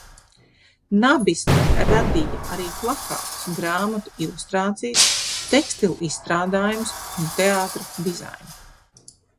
Nabisti radīja arī plakātus, grāmatu ilustrācijas, tekstilizstrādājumus un teātra dizainu.